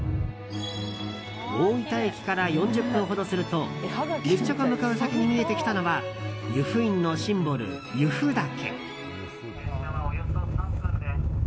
大分駅から４０分ほどすると列車が向かう先に見えてきたのは由布院のシンボル、由布岳。